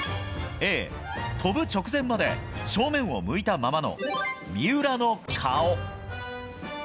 Ａ、跳ぶ直前まで正面を向いたままの三浦の顔。